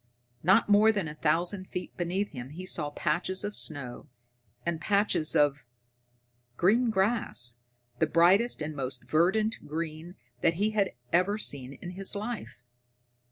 Not more than a thousand feet beneath him he saw patches of snow, and patches of green grass, the brightest and most verdant green that he had ever seen in his life.